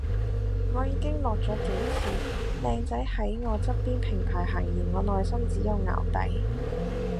我已經落咗幾次，靚仔喺我側邊平排行而我內心只有淆底